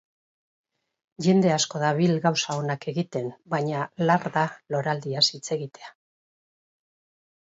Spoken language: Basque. Jende asko dabil gauza onak egiten, baina lar da loraldiaz hitz egitea.